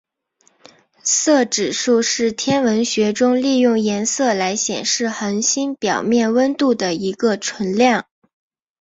色指数是天文学中利用颜色来显示恒星表面温度的一个纯量。